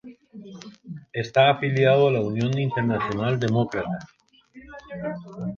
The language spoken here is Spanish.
Está afiliado a la Unión Internacional Demócrata.